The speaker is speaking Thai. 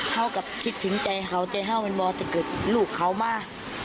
เฮ่อกับคิดถึงใจเขาใจเขามันว่าจะเกิดลูกเขามา